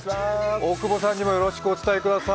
大窪さんにもよろしくお伝えください。